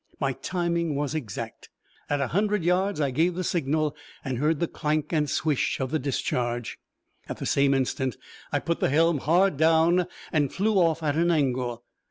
My timing was exact. At a hundred yards I gave the signal, and heard the clank and swish of the discharge. At the same instant I put the helm hard down and flew off at an angle.